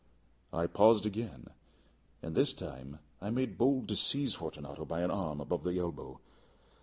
I paused again, and this time I made bold to seize Fortunato by an arm above the elbow.